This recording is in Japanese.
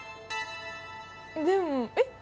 でもえっ？